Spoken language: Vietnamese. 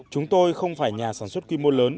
chúng tôi không phải nhà sản xuất quy mô lớn